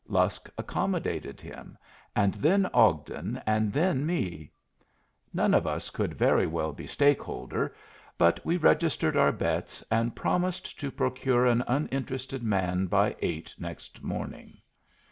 Lusk accommodated him, and then Ogden, and then me. None of us could very well be stake holder, but we registered our bets, and promised to procure an uninterested man by eight next morning.